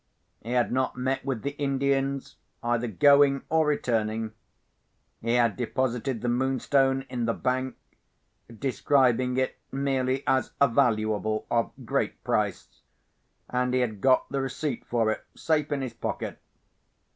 He had not met with the Indians, either going or returning. He had deposited the Moonstone in the bank—describing it merely as a valuable of great price—and he had got the receipt for it safe in his pocket.